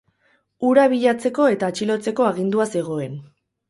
Hura bilatzeko eta atxilotzeko agindua zegoen.